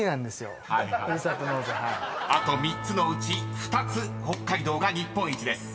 ［あと３つのうち２つ北海道が日本一です］